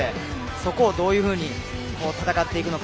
そこをどういうふうに戦っていくのか。